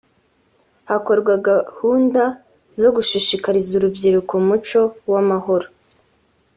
Hakorwa gahunda zo gushishikariza urubyiruko umuco w’amahoro